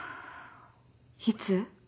いつ？